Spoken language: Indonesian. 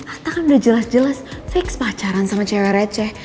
atta kan udah jelas jelas fix pacaran sama cewek receh